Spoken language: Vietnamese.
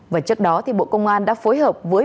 và trước đó bộ công an đã phối hợp với